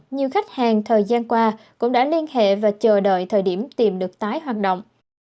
nhiều khách hàng thời gian qua cũng đã liên hệ và chờ đợi thời điểm tìm được tái hoạt động